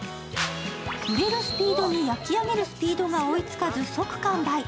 売れるスピードに焼き上げるスピードが追いつけず即完売。